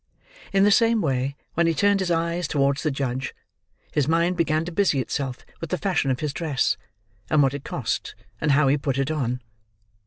In the same way, when he turned his eyes towards the judge, his mind began to busy itself with the fashion of his dress, and what it cost, and how he put it on.